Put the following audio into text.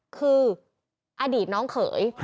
คืออดีตน้องเขย